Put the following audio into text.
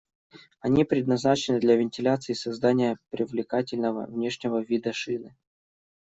Они предназначены для вентиляции и создания привлекательного внешнего вида шины.